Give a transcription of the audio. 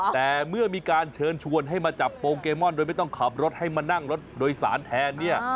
แต่เมื่อมีการเชิญชวนให้มาจับโปเกมอนโดยไม่ต้องขับรถให้มานั่งรถโดยสารแทนเนี่ย